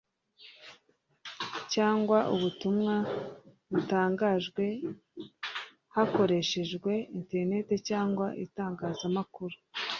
cyangwa ubutumwa butangajwe hakoreshejwe internet cyangwa itangazamakuru